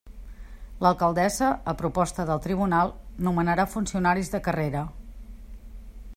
L'Alcaldessa, a proposta del Tribunal, nomenarà funcionaris de carrera.